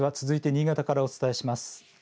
続いて新潟からお伝えします。